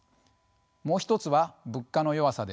もう一つは物価の弱さです。